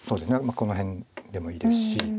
この辺でもいいですし。